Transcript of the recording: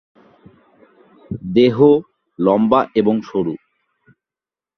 দেহ লম্বা এবং সরু।